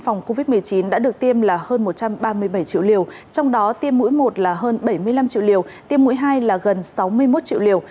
phòng covid một mươi chín đã được tiêm là hơn một trăm ba mươi bảy triệu liều trong đó tiêm mũi một là hơn bảy mươi năm triệu liều tiêm mũi hai là gần sáu mươi một triệu liều